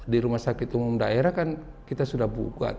di rumah sakit umum daerah kan kita sudah buka